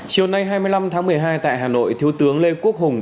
chiều nay hai mươi năm tháng một mươi hai tại hà nội thiếu tướng lê quốc hùng